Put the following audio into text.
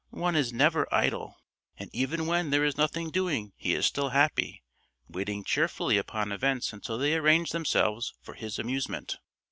One is never idle." And even when there is nothing doing he is still happy, waiting cheerfully upon events until they arrange themselves for his amusement.